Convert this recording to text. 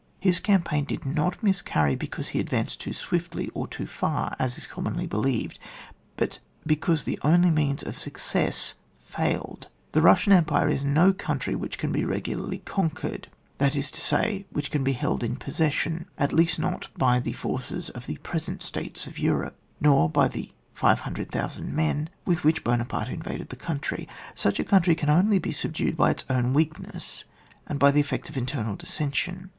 His campaign did not miscany becaufie he advanced too swiMy, or too far, as is commonly believed, but because the only means of success failed. The Euasian Empire is no country which can be regu larly conquered, that is to say, which can be held in possession, at least not bj the forces of the present States of Europe, nor by the 600,000 men with which Buonaparte invaded the country. Such a country can only be subdued by its ovn weakness, and by the effects of internal dissension.